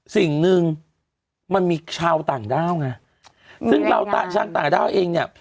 สิ่งหนึ่งมันมีชาวต่างด้าวไงซึ่งเราชาวต่างด้าวเองเนี่ย